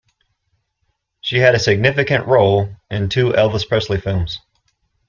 She had a significant role in two Elvis Presley films.